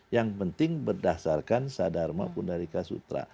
yang penting berdasarkan sadharma pundarika sutra